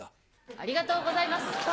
ありがとうございます